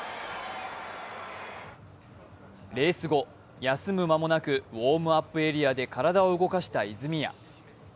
レース後、休む間もなくウォームアップエリアで体を動かした泉谷。